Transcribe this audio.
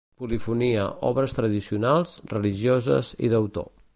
Polifonia, obres tradicionals, religioses i d'autor.